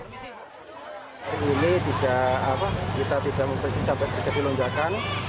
kita tidak mempersisakan pekerjaan di lonjakan